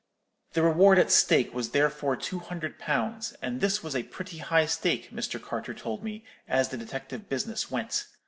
The reward at stake was therefore two hundred pounds; and this was a pretty high stake, Mr. Carter told me, as the detective business went.